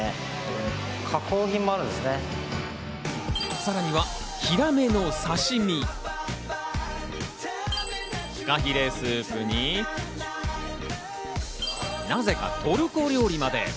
さらにはヒラメの刺し身、ふかひれスープに、なぜかトルコ料理まで。